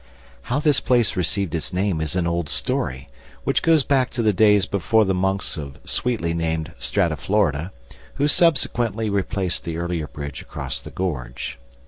How this place received its name is an old story, which goes back to the days before the monks of sweetly named Strata Florida, who subsequently replaced the earlier bridge across the gorge.